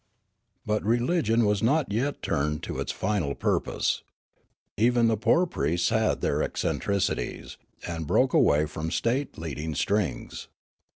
But religion was not yet turned to its final purpose. Even the poor priests had their eccentricities, and broke away from state leading strings.